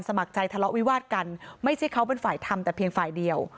สมัครใจทะเลาะวิวาดกันไม่ใช่เขาเป็นฝ่ายทำแต่เพียงฝ่ายเดียว